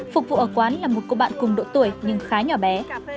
phục vụ ở quán là một cô bạn cùng độ tuổi nhưng khá nhỏ bé